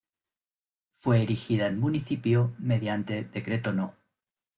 Fue erigida en municipio mediante Decreto No.